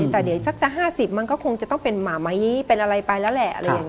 แต่เดี๋ยวสักสัก๕๐มันก็คงจะต้องเป็นหมามัยเป็นอะไรไปแล้วแหละ